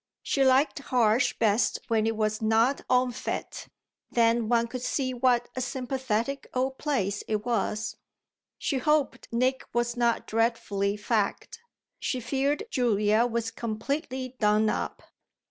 She liked Harsh best when it was not en fête: then one could see what a sympathetic old place it was. She hoped Nick was not dreadfully fagged she feared Julia was completely done up.